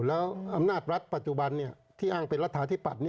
แล้วอำนาจรัฐปัจจุบันที่อ้างเป็นรัฐาธิปัตย์